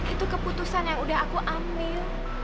itu keputusan yang udah aku ambil